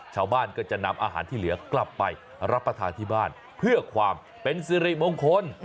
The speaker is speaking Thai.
ชาวบ้านก็จะนำอาหารที่เหลือกลับไปรับประทานที่บ้านเพื่อความเป็นสิริมงคล